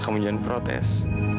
kamu jangan protes